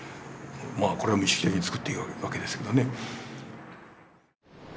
これは意識的につくっていくわけですけどね。